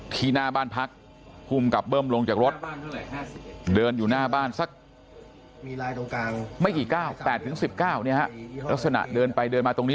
ที่หน้าบ้านพักภูมิกับเบิ้มลงจากรถเดินอยู่หน้าบ้านสักไม่กี่ก้าว๘๑๙ลักษณะเดินไปเดินมาตรงนี้